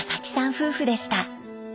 夫婦でした。